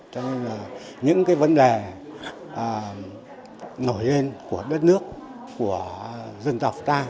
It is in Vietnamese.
cho nên là những cái vấn đề nổi lên của đất nước của dân tộc ta